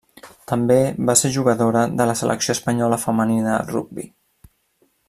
També va ser jugadora de la selecció espanyola femenina de rugbi.